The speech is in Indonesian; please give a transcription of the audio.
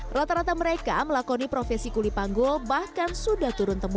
rata rata mereka melakoni profesi kulipanggul bahkan sudah turun temurun